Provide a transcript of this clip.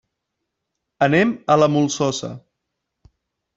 Anem a la Molsosa.